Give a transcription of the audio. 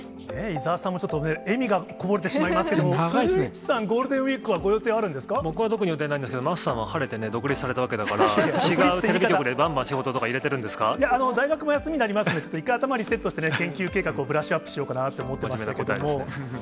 伊沢さんもちょっと笑みがこぼれてしまいますけど、古市さん、ゴールデンウィークはご予定ある僕は特に予定ないんですけど、桝さんは晴れて独立されたわけだから、違うテレビ局でばんばん仕いや、大学も休みになりますんで、ちょっと一回頭リセットしてね、研究計画をブラッシュアップしようかなと思っておりますけれども。